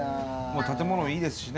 建物もいいですしね